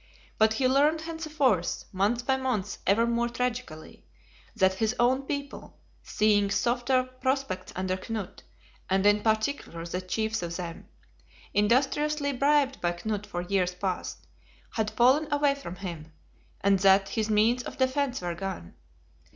But he learned henceforth, month by month ever more tragically, that his own people, seeing softer prospects under Knut, and in particular the chiefs of them, industriously bribed by Knut for years past, had fallen away from him; and that his means of defence were gone.